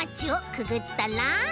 くぐったら？